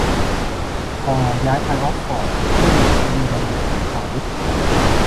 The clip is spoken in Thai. พอลย้ายไปออกซ์ฟอร์ดเพื่อดุษฎีบัณฑิตของเขา